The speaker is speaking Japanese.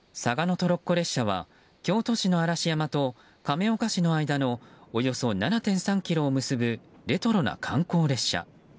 トロッコ列車は京都市の嵐山と亀岡市の間のおよそ７．３ｋｍを結ぶレトロな観光列車。